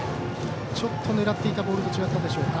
ちょっと狙っていたボールと違ったでしょうか。